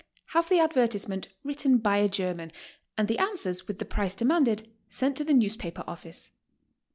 Have the advertisement written by a German, and the answers, with the price demanded, sent to the newspaper ofllce.